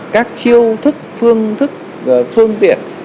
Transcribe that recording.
các chiêu thức phương tiện